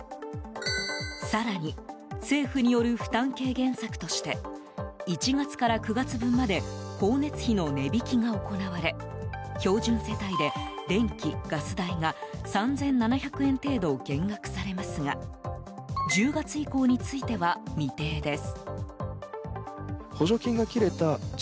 更に、政府による負担軽減策として１月から９月分まで光熱費の値引きが行われ標準世帯で電気・ガス代が３７００円程度、減額されますが１０月以降については未定です。